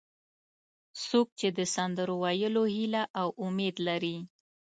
څوک چې د سندرو ویلو هیله او امید لري.